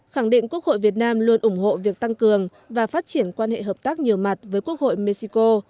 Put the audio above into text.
khẳng định quốc hội việt nam luôn ủng hộ việc tăng cường và phát triển quan hệ hợp tác nhiều mặt với quốc hội mexico